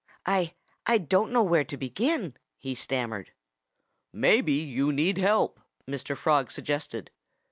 "I I don't know where to begin," he stammered. "Maybe you need help," Mr. Frog suggested.